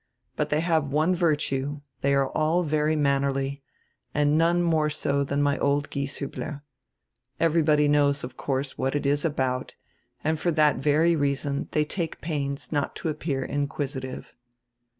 But they have one virtue, they are all very mannerly, and none more so than my old Gies hiibler. Everybody knows, of course, what it is about, and for diat very reason they take pains not to appear inquisi tive.